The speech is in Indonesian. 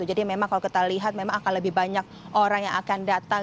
jadi memang kalau kita lihat memang akan lebih banyak orang yang akan datang